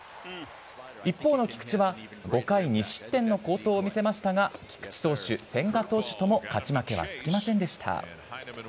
一方の菊池は、５回２失点の好投を見せましたが、菊池投手、千賀投手とも勝ち負けはつきませんでした。